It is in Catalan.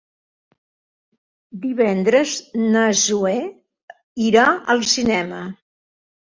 Divendres na Zoè irà al cinema.